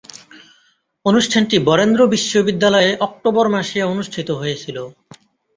অনুষ্ঠানটি বরেন্দ্র বিশ্ববিদ্যালয়ে অক্টোবর মাসে অনুষ্ঠিত হয়েছিলো।